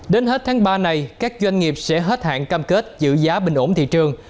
đến hết tháng ba này các doanh nghiệp sẽ hết hạn cam kết giữ giá bình ổn thị trường